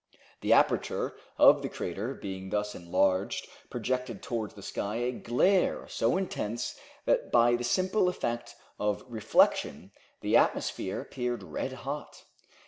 The aperture of the crater being thus enlarged projected towards the sky a glare so intense that by the simple effect of reflection the atmosphere appeared red hot.